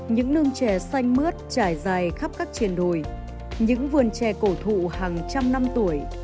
những nương chè xanh mướt trải dài khắp các triền đồi những vườn chè cổ thụ hàng trăm năm tuổi